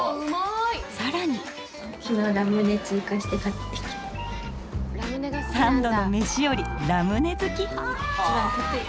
さらに。三度の飯よりラムネ好き。